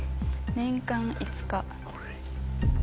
年間５日。